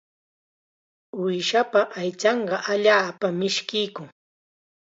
Uushapa aychanqa allaapam mishkiykun.